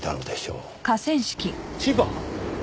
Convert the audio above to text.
千葉？